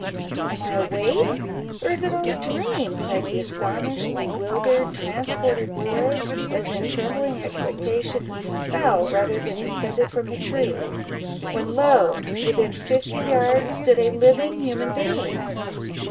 "Am I awake, or is it all a dream?" cried the astonished, bewildered, transported boy, as, in trembling expectation he fell, rather than descended from the tree, when, lo! within fifty yards, stood a living human being!